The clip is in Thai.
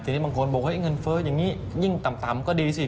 ทีนี้บางคนบอกว่าเงินเฟ้ออย่างนี้ยิ่งต่ำก็ดีสิ